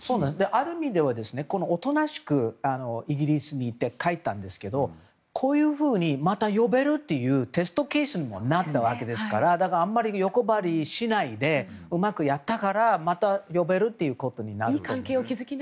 ある意味ではおとなしくイギリスにいて帰ったんですけどこういうふうにまた呼べるというテストケースにもなったわけですからだから、あまり欲張りしないでうまくやったからまた呼べるということになるんです。